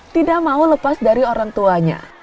tidak mau lepas dari orang tuanya